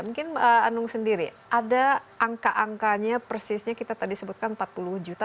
mungkin anung sendiri ada angka angkanya persisnya kita tadi sebutkan empat puluh juta